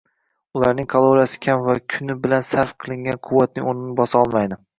Ularning kaloriyasi kam va kuni bilan sarf qilingan quvvatning oʻrnini bosa olmaydi.